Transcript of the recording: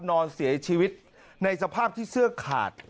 นอนเสียชีวิตในสภาพที่เสื้อขาด